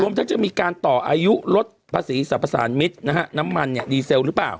ทั้งจะมีการต่ออายุลดภาษีสรรพสารมิตรนะฮะน้ำมันเนี่ยดีเซลหรือเปล่า